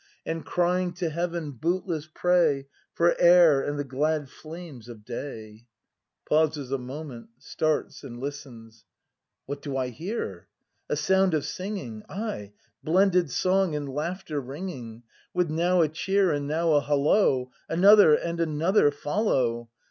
And crying to heaven, bootless pray For air and the glad flames of day ! [Pauses a movient, starts, and listens.] What do I hear ? A sound of singing. Ay, blended song and laughter ringing. With now a cheer and now a hollo, — Another — and another — follow